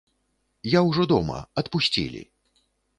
Я ўжо дома, адпусцілі!